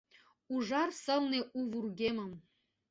Ужар сылне у вургемым